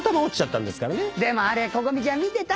でもあれココミちゃん見てた？